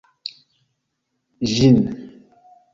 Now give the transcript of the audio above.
ĝin